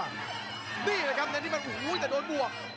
นี่แหละครับแต่นี่มันโอ้โหแต่โดนบวก